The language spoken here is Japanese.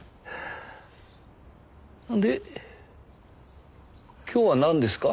で今日はなんですか？